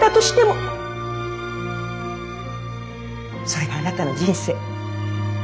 それがあなたの人生。